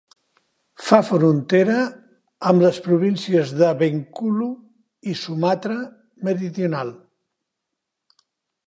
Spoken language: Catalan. Fa frontera amb les províncies de Bengkulu i Sumatra Meridional.